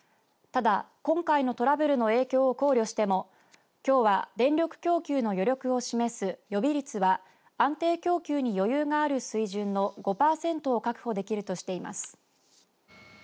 ただ、今回のトラブルの影響を考慮してもきょうは、電力供給の余力を示す予備率は安定供給に余裕がある水準の５パーセントを確保できるとしています。